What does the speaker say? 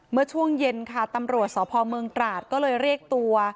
เมื่อช่วงเย็นค่ะตำรวจสพเมืองตราดก็เลยเรียกตัว